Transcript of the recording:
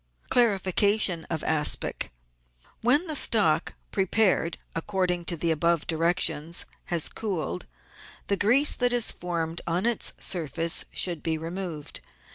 Clarification of Aspic. — When the stock, prepared according to the above directions, has cooled, the grease that has formed on its surface should be removed.